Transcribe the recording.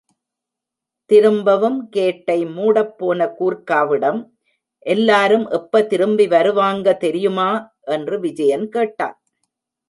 திரும்பவும் கேட்டை மூடப் போன கூர்க்காவிடம், எல்லாரும் எப்ப திரும்பி வருவாங்க தெரியுமா? என்று விஜயன் கேட்டான்.